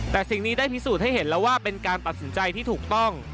แต่สิ่งนี้ได้พิสูจน์ให้เห็นแล้วว่าเป็นการตัดสินใจที่ถูกต้อง